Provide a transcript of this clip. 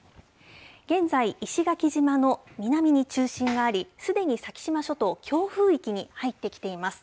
現在、石垣島の南に中心があり、すでに先島諸島、強風域に入ってきています。